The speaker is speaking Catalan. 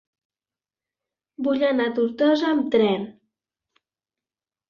Vull anar a Tortosa amb tren.